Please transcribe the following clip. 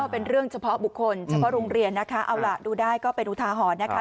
เป็นเรื่องเฉพาะบุคคลเฉพาะโรงเรียนดูได้ก็เป็นอุทาฮรนะคะ